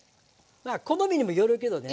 まあ好みにもよるけどね。